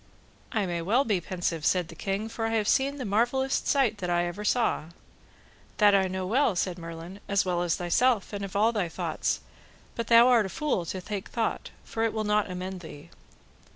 I may well be pensive, said the king, for I have seen the marvellest sight that ever I saw. That know I well, said Merlin, as well as thyself, and of all thy thoughts, but thou art but a fool to take thought, for it will not amend thee.